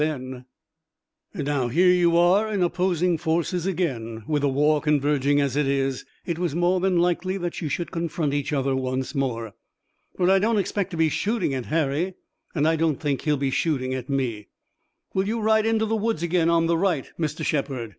"And now here you are in opposing forces again. With the war converging as it is, it was more than likely that you should confront each other once more." "But I don't expect to be shooting at Harry, and I don't think he'll be shooting at me." "Will you ride into the woods again on the right, Mr. Shepard?"